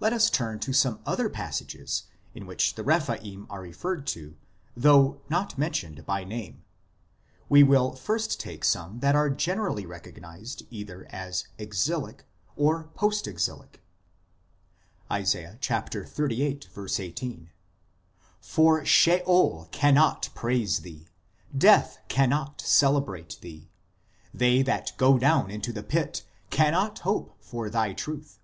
Let us turn to some other passages in which the Rephaim are referred to, though not mentioned by name ; we will take first some that are generally recognized either as exilic or post exilic : Isa. xxxviii. 18 :" For Sheol l cannot praise Thee, death l cannot celebrate thee ; they that go down into the pit cannot hope for Thy truth."